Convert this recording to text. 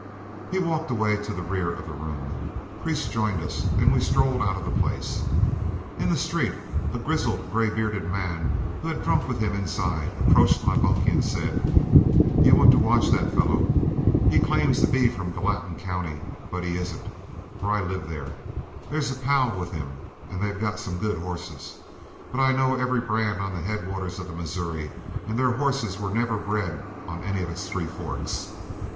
He walked away to the rear of the room, Priest joined us, and we strolled out of the place. In the street, a grizzled, gray bearded man, who had drunk with him inside, approached my bunkie and said, "You want to watch that fellow. He claims to be from the Gallatin country, but he isn't, for I live there. There 's a pal with him, and they've got some good horses, but I know every brand on the headwaters of the Missouri, and their horses were never bred on any of its three forks.